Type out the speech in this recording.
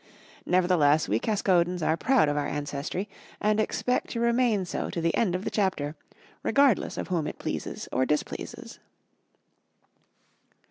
Nevertheless, we Caskodens are proud of our ancestry, and expect to remain so to the end of the chapter, regardless of whom it pleases or displeases.